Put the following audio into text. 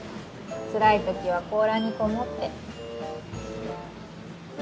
つらい時は甲羅にこもって。